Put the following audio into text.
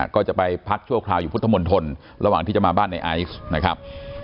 ก็จะไปพักชั่วคราวอยู่พุทธมนตรระหว่างที่จะมาบ้านในไอซ์นะครับ